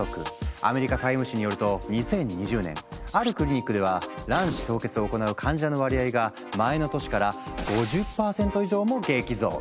アメリカ「ＴＩＭＥ」誌によると２０２０年あるクリニックでは卵子凍結を行う患者の割合が前の年から５０％以上も激増。